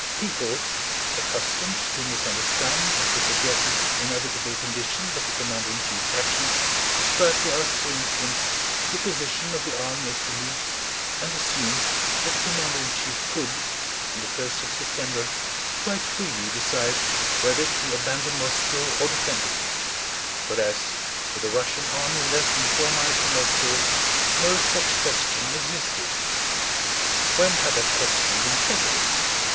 People accustomed to misunderstand or to forget these inevitable conditions of a commander in chief's actions describe to us, for instance, the position of the army at Filí and assume that the commander in chief could, on the first of September, quite freely decide whether to abandon Moscow or defend it; whereas, with the Russian army less than four miles from Moscow, no such question existed. When had that question been settled?